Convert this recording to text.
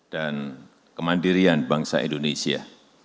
kemandirian bangsa indonesia